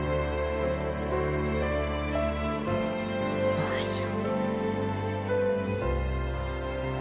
おはよう。